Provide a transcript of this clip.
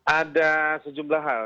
ada sejumlah hal